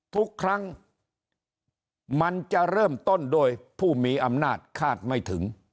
ทุกครั้งมันจะเริ่มต้นโดยผู้มีอำนาจคาดไม่ถึง